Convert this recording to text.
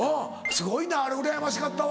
すごいなあれうらやましかったわ。